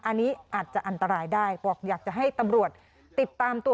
อันนี้อาจจะอันตรายได้บอกอยากจะให้ตำรวจติดตามตัว